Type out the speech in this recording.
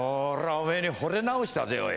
おめえにほれ直したぜおい。